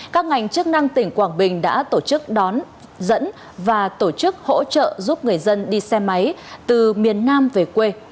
các ngành chức năng tỉnh quảng bình đã tổ chức đón dẫn và tổ chức hỗ trợ giúp người dân đi xe máy từ miền nam về quê